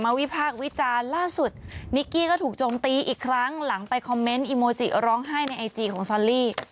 วิพากษ์วิจารณ์ล่าสุดนิกกี้ก็ถูกโจมตีอีกครั้งหลังไปคอมเมนต์อีโมจิร้องไห้ในไอจีของซอลลี่